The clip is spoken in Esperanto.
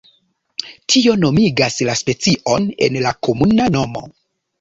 Tio nomigas la specion en la komuna nomo.